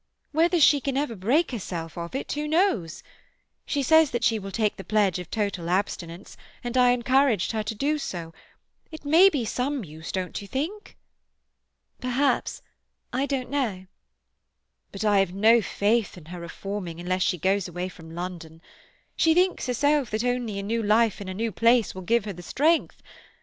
Whether she can ever break herself of it, who knows? She says that she will take the pledge of total abstinence, and I encouraged her to do so; it may be some use, don't you think?" "Perhaps—I don't know—" "But I have no faith in her reforming unless she goes away from London. She thinks herself that only a new life in a new place will give her the strength.